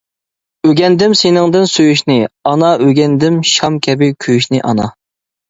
ئۆگەندىم سېنىڭدىن سۆيۈشنى، ئانا، ئۆگەندىم شام كەبى كۆيۈشنى، ئانا.